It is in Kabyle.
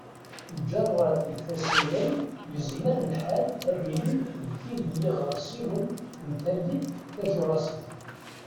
Lǧerrat ifuṣilen yezmer lḥal ad ilint d tid n yiɣersiwen n tallit Tajurasit.